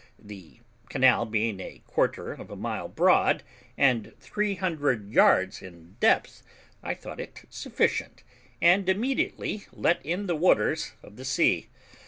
The canal being a quarter of a mile broad, and three hundred yards in depth, I thought it sufficient, and immediately let in the waters of the sea.